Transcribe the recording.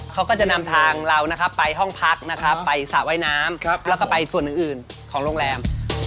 เขาก็จะนำทางเรานะครับไปห้องพักนะครับไปสระว่ายน้ำแล้วก็ไปส่วนอื่นของโรงแรม